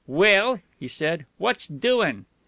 "Well," he said, "what's doin'?"